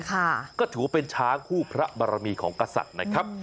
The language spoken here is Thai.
ค่ะก็ถือเป็นช้างคู่พระบรมีของกษัตริย์นะครับ